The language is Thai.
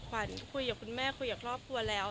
ขวัญคุยกับคุณแม่คุยกับครอบครัวแล้ว